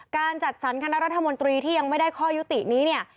การจัดสรรคณะรัฐมนตรีที่ยังไม่ได้ข้อยุตินี้เนี่ย